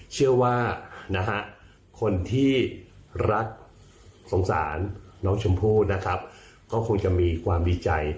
เชื่อว่านะฮะคนที่รักสงสารน้องชมพู่นะครับก็คงจะมีความดีใจ